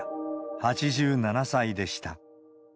８７歳でした。